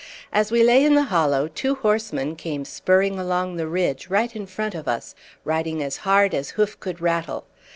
As we lay in the hollow two horsemen came spurring along the ridge right in front of us, riding as hard as hoof could rattle.